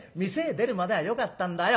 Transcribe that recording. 出るまではよかったんだよ。